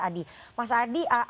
mas adi apakah memang seperti itu